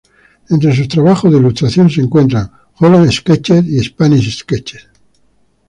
Entre sus trabajos de ilustración se encuentran "Holland Sketches" y "Spanish Sketches".